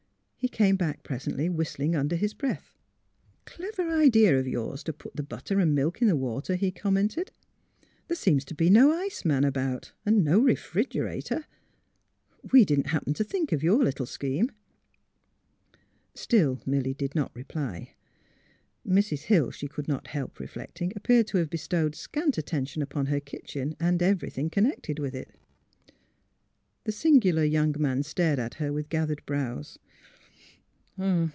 He came back presently, whistling under his breath. ^' Clever idea of yours to put the butter and milk in the water," he commented. " There seems to be no iceman about, and no refrigerator. We didn't happen to think of your little scheme." Still Milly did not reply. Mrs. Hill, she could not help reflecting, appeared to have bestowed scant attention upon her kitchen and everything connected with it. The singular young man stared at Her with gathered brows.